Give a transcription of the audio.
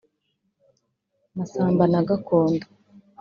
Masamba na Gakondo